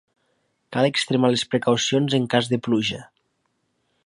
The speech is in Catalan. Cal extremar les precaucions en cas de pluja.